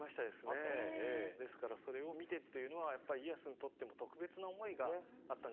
ですからそれを見てというのはやっぱり家康にとっても特別な思いがあったんじゃないかと思います。